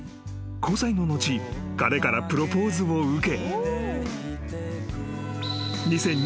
［交際の後彼からプロポーズを受け］